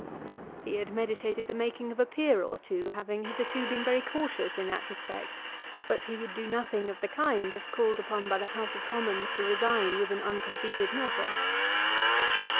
He had meditated the making of a peer or two, having hitherto been very cautious in that respect, but he would do nothing of the kind if called upon by the House of Commons to resign with an uncompleted measure.